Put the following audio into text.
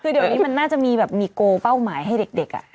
คือเดี๋ยวนี้มันน่าจะมีแบบมีโกลเป้าหมายให้เด็ก